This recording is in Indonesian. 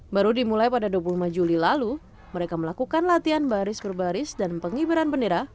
baru dimulai pada dua puluh lima juli lalu mereka melakukan latihan baris berbaris dan pengibaran bendera